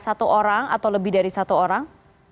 satu orang atau lebih dari satu orang